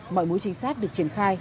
mọi mối trinh sát được triển khai